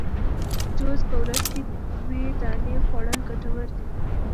جوز په ورځ کي دوې دانې خوړل ګټور دي